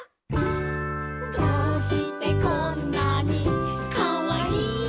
「どうしてこんなにかわいいの」